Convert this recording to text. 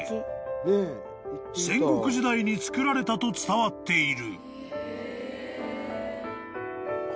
［戦国時代に造られたと伝わっている］